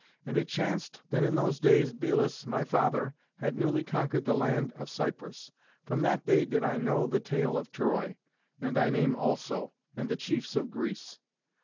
And it chanced that in those days Belus, my father, had newly conquered the land of Cyprus. From that day did I know the tale of Troy, and thy name also, and the chiefs of Greece.